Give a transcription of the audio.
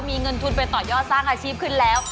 มีเงินทุนไปต่อยอดสร้างอาชีพขึ้นแล้ว